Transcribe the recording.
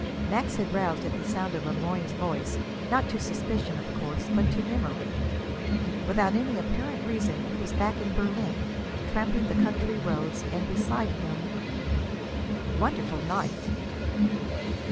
Max had roused at the sound of Le Moyne's voice, not to suspicion, of course, but to memory. Without any apparent reason, he was back in Berlin, tramping the country roads, and beside him "Wonderful night!"